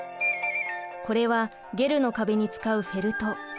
これはゲルの壁に使うフェルト。